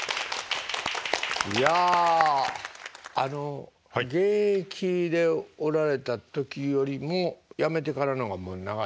いやあの現役でおられた時よりも辞めてからの方がもう長い？